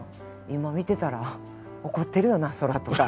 今見てたら怒ってるよなそら」とか。